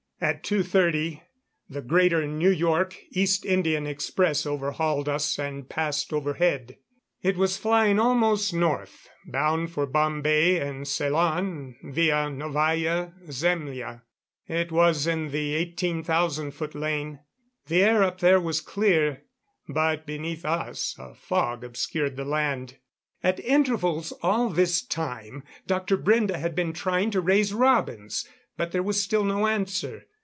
At two thirty, the Greater New York East Indian Express overhauled us and passed overhead. It was flying almost north, bound for Bombay and Ceylon via Novaya Zemlya. It was in the 18,000 foot lane. The air up there was clear, but beneath us a fog obscured the land. At intervals all this time Dr. Brende had been trying to raise Robins but there was still no answer.